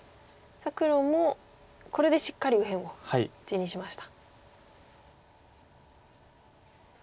黒もこれでしっかり右辺を地にしました。